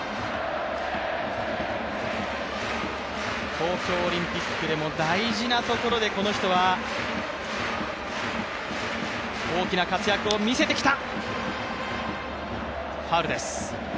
東京オリンピックでも大事なところでこの人は大きな活躍を見せてきた。